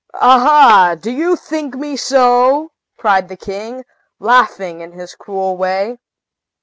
"Aha! do you think me so?" cried the king, laughing in his cruel way.